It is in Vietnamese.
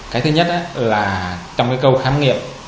cái thứ nhất là trong câu khám nghiệp